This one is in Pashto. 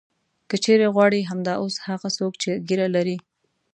که چېرې غواړې همدا اوس هغه څوک چې ږیره لري.